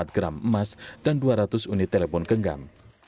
dua ratus lima puluh empat empat gram emas dan dua ratus unit telepon genggam